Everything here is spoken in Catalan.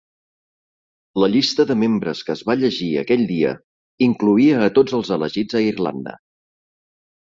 La llista de membres que es va llegir aquell dia incloïa a tots els elegits a Irlanda.